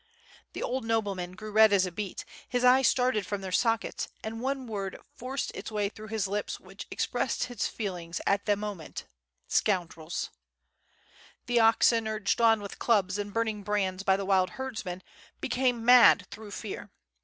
The old nobleman grew red as a beet, his eyes started from their sockets, and one word forced its way through his lips which expressed his feelings at the moment "scoundrels.'' 704 T^^^^ ^^^^^^^ SWORD. The oxen, urged on with clubs and burning brands by the wild herdsmen, became mad through fear.